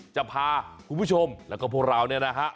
จะพาคุณผู้ชมแล้วก็พวกเราเนี่ยนะฮะ